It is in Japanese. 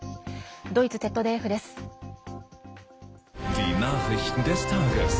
ドイツＺＤＦです。